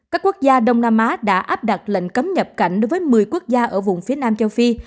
các quốc gia đông nam á đã áp đặt lệnh cấm nhập cảnh đối với một mươi quốc gia ở vùng phía nam châu phi